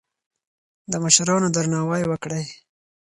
د مشرانو درناوی وکړئ.